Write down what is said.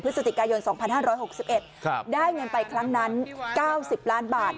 พฤศจิกายน๒๕๖๑ได้เงินไปครั้งนั้น๙๐ล้านบาท